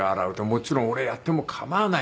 「もちろん俺やっても構わないけど